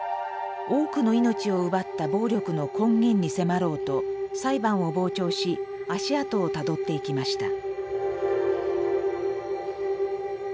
多くの命を奪った暴力の根源に迫ろうと裁判を傍聴し足跡をたどっていきました。